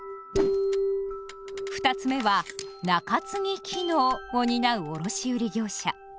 二つ目は「仲継機能」を担う卸売業者。